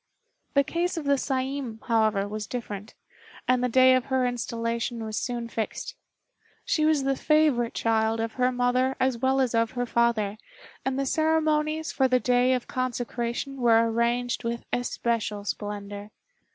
The case of the Saiin, however, was different, and the day of her installation was soon fixed. She was the favorite child of her mother as well as of her father, and the ceremonies for the day of consecration were arranged with especial splendor.